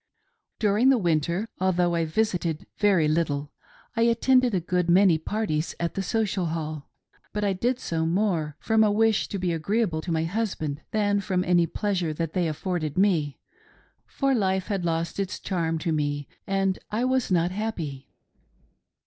During the winter, although I visited very little, I attended a good many parties at the Social Hall ; but I did so more from a wish to be agreeable to my husband than from any pleasure that they afforded me, for life had lost its charm to me, and I was not happy.